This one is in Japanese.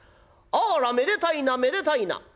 『あらめでたいなめでたいな。